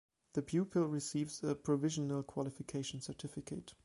The pupil receives a Provisional Qualification Certificate.